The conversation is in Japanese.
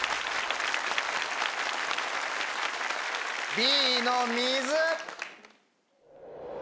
Ｂの水。